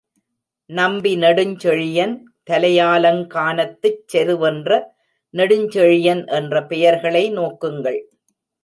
நம்பி நெடுஞ்செழியன், தலையாலங்கானத்துச் செருவென்ற நெடுஞ்செழியன் என்ற பெயர்களை நோக்குங்கள்.